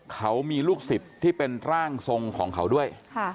เขามีลูกศิษย์ที่เป็นร่างทรงของเขาด้วย